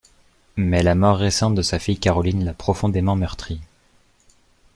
Mais la mort récente de sa fille Caroline l'a profondément meurtri.